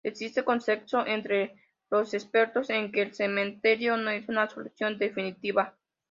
Existe consenso entre los expertos en que el cementerio no es una solución definitiva.